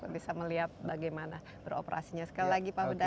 bisa melihat bagaimana beroperasinya sekali lagi pak huda